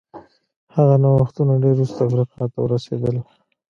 هغه نوښتونه ډېر وروسته افریقا ته ورسېدل.